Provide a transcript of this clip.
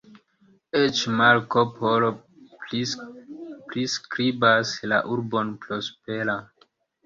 Eĉ Marko Polo priskribas la urbon prospera.